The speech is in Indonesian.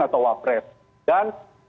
atau wapres dan